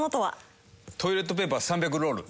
トイレットペーパー３００ロール。